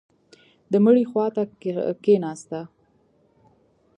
د مړي خوا ته کښېناسته.